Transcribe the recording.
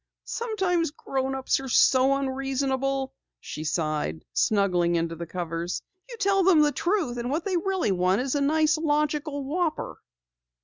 "Sometimes grownups are so unreasonable," she sighed, snuggling into the covers. "You tell them the truth and what they really want is a nice logical whopper!"